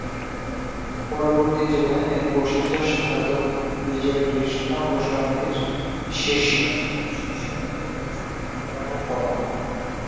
পরবর্তী জীবনে তিনি প্রসিদ্ধ সাধক বিজয়কৃষ্ণ গোস্বামীর শিষ্যত্ব গ্রহণ করেন।